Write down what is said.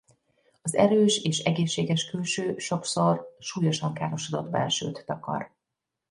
Az erős és egészséges külső sokszor súlyosan károsodott belsőt takar.